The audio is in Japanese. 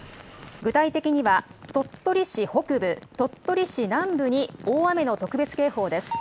具体的には、鳥取市北部、鳥取市南部に大雨の特別警報です。